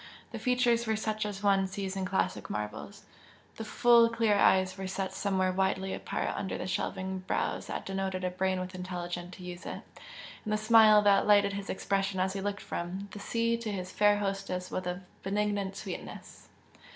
The features were such as one sees in classic marbles the full clear eyes were set somewhat widely apart under shelving brows that denoted a brain with intelligence to use it, and the smile that lightened his expression as he looked from, the sea to his fair hostess was of a benignant sweetness.